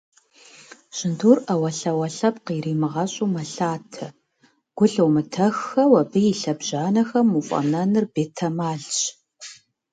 Жьындур, Iэуэлъауэ лъэпкъ иримыгъэщIу, мэлъатэ, гу лъумытэххэу абы и лъэбжьанэхэм уфIэнэныр бетэмалщ.